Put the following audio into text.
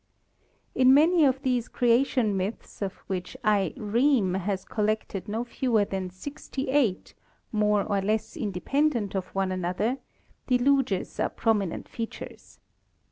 In many of these creation myths, of which I. Riem has collected no fewer than sixty eight, more or less inde pendent of one another, deluges are prominent features.